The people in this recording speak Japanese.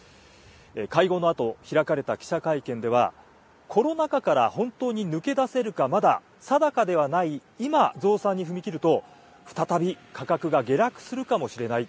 会合のあと、開かれた記者会見では、コロナ禍から本当に抜け出せるかまだ定かではない今、増産に踏み切ると、再び価格が下落するかもしれない。